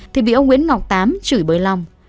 thì bị ông nguyễn ngọc tám chửi bởi long